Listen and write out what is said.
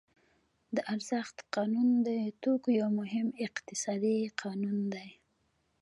د ارزښت قانون د توکو یو مهم اقتصادي قانون دی